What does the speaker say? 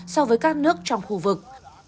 so với các nước trong khu vực